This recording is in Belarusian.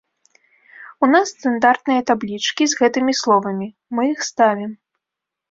У нас стандартныя таблічкі з гэтымі словамі, мы іх ставім.